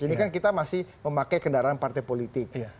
ini kan kita masih memakai kendaraan partai politik